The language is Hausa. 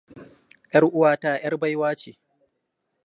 'Yar uwa ta 'yar baiwa ce!